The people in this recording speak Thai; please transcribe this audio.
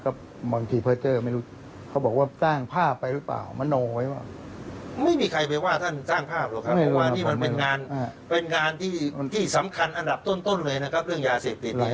เป็นงานที่สำคัญอันดับต้นเวลาเรื่องยาเสพหิต